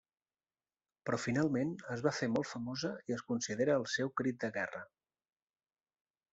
Però finalment es va fer molt famosa i es considera el seu crit de guerra.